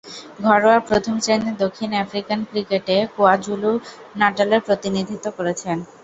ঘরোয়া প্রথম-শ্রেণীর দক্ষিণ আফ্রিকান ক্রিকেটে কোয়াজুলু-নাটালের প্রতিনিধিত্ব করেছেন।